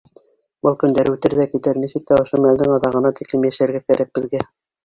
— Был көндәр үтер ҙә китер, нисек тә ошо мәлдең аҙағына тиклем йәшәргә кәрәк беҙгә.